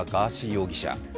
容疑者。